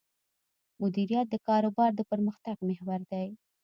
مدیریت د کاروبار د پرمختګ محور دی.